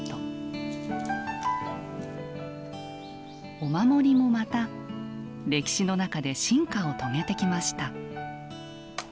お守りもまた歴史の中で進化を遂げてきました。